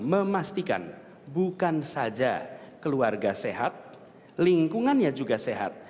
memastikan bukan saja keluarga sehat lingkungannya juga sehat